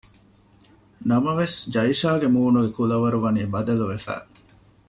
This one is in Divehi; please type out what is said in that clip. ނަމަވެސް ޖައިޝާގެ މޫނުގެ ކުލަވަރު ވަނީ ބަދަލުވެފަ